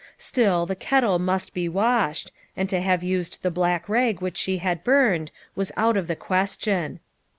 Still, the kettle must be washed, and to have used the black rag which she had burned, was out of the question.